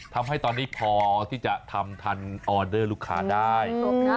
ทำให้ตอนนี้พอที่จะทำทันออเดอร์ลูกค้าได้